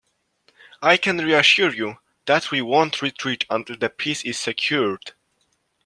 I can reassure you, that we won't retreat until the peace is secured.